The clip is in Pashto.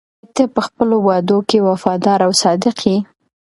آیا ته په خپلو وعدو کې وفادار او صادق یې؟